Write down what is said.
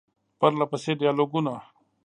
پرله پسې ډیالوګونه ،